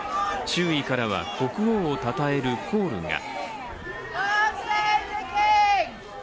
周囲からは、国王をたたえるコールが。